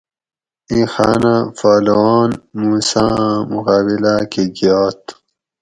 ایں خانہ پہلوان موسیٰ آں مقابلا کہ گیات